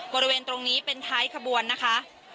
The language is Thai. บริเวณตรงนี้เป็นท้ายขบวนนะคะ